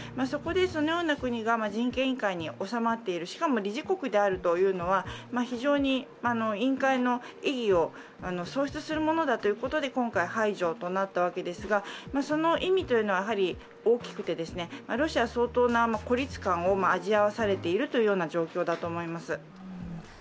そこでそのような国が人権委員会におさまっている、しかも理事国であるというのは非常に委員会の意義を喪失するものだということで今回排除となったわけですがその意味というのは大きくて、ロシアは相当な孤立感を味わわされているという状況だと思います。